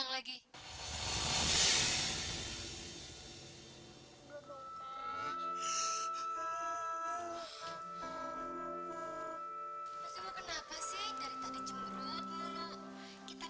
mas dewa kenapa sih dari tadi cemberut lalu